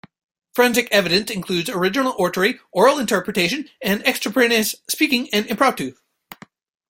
Forensics events include Original Oratory, Oral Interpretation, Extemporaneous Speaking, and Impromptu.